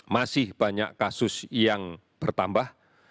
masih banyak kasus yang bertambah